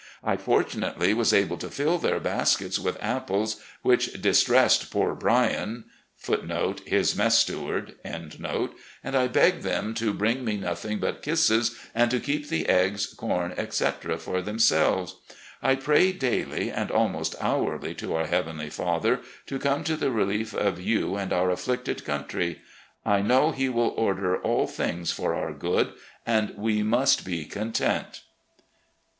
I fort\mately was able to fill their baskets with apples, which dis tressed poor Bryan*, and I begged them to bring me noth ing but kisses and to keep the eggs, com, etc., for them selves. I pray daily and almost hourly to our Heavenly Father to come to the relief of you and our afflicted coun try. I know He will order all things for our good, and we must be content."